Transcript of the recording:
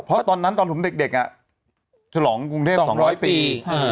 เพราะตอนนั้นตอนผมเด็กฉลองกรุงเทพ๒๐๐ปี